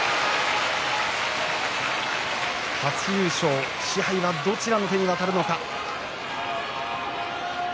初優勝、賜盃はどちらの手に渡るのか。